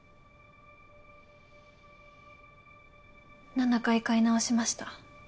７回買い直しました。